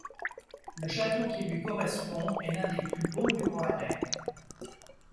Le château qui lui correspond est l'un des plus beaux du Roannais.